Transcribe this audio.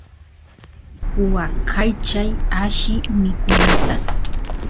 waqaychay alli mikunata